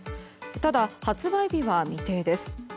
ただ、発売日は未定です。